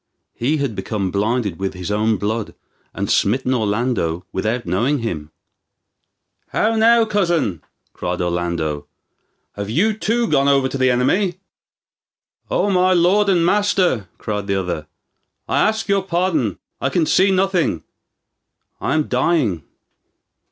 He had become blinded with his own blood, and smitten Orlando without knowing him. "How now, cousin," cried Orlando, "have you too gone over to the enemy?" "O my lord and master," cried the other, "I ask your pardon. I can see nothing; I am dying.